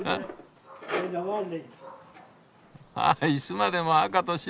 あ椅子までも赤と白。